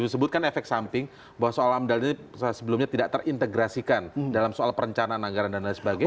disebutkan efek samping bahwa soal amdal ini sebelumnya tidak terintegrasikan dalam soal perencanaan anggaran dan lain sebagainya